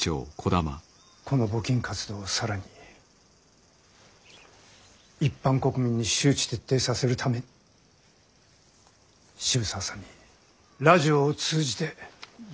この募金活動を更に一般国民に周知徹底させるために渋沢さんにラジオを通じて呼びかけていただきたいのです。